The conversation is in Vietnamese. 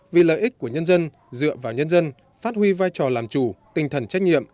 vì lợi ích của nhân dân dựa vào nhân dân phát huy vai trò làm chủ tinh thần trách nhiệm